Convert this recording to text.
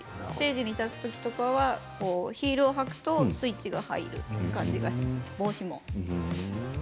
ステージに立つときとかはヒールを履くとスイッチが入るという感じがします、帽子も。